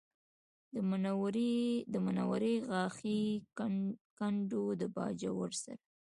د منورې غاښی کنډو د باجوړ سره